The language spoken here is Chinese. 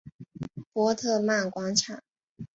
波特曼广场。